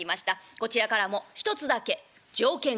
こちらからも一つだけ条件があります」。